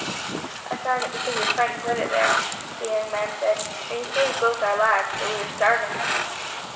"I found it because your friend put it there," the young man said, "and he saved both our lives, for we were starving."